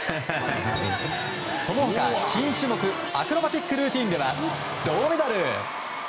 その他、新種目アクロバティックルーティンでは銅メダル！